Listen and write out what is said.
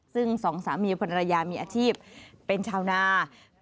ซึ่งสองสามีภรรยามีอาชีพเป็นชาวนา